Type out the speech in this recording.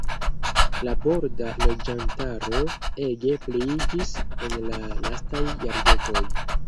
La borda loĝantaro ege pliiĝis en la lastaj jardekoj.